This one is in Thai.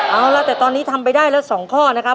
เอาล่ะแต่ตอนนี้ทำไปได้แล้ว๒ข้อนะครับ